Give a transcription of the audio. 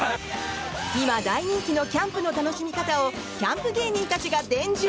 今、大人気のキャンプの楽しみ方をキャンプ芸人たちが伝授。